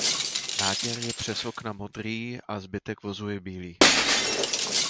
Nátěr je přes okna modrý a zbytek vozu je bílý.